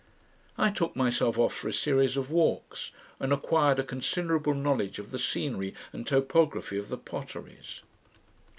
I took myself off for a series of walks, and acquired a considerable knowledge of the scenery and topography of the Potteries.